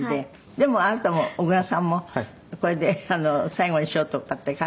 「でもあなたも小倉さんもこれで最後にしようとかって考えたりもするの？」